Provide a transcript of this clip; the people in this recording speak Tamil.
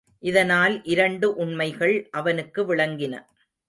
இதனால் இரண்டு உண்மைகள் அவனுக்கு விளங்கின.